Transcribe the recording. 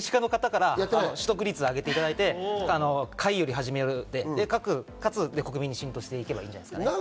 まず政治家の方から取得率を上げていただいてまず隗より始めよで、国民に浸透していけばいいんじゃないですかね。